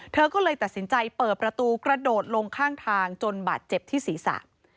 เธอก็เลยตัดสินใจเปิดประตูกระโดดลงข้างทางจนบาดเจ็บที่ศีรษะ